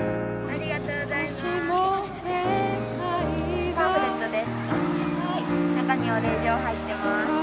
ありがとうございます。